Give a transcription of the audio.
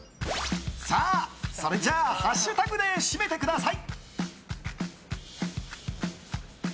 それじゃあ、ハッシュタグで締めてください。